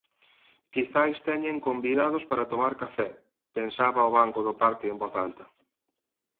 Quizais teñen convidados para tomar café, pensaba o banco do parque en voz alta.